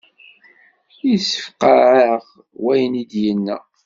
Yessefqeε-aɣ wayen i d-yenna.